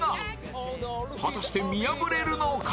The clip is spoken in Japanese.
果たして見破れるのか？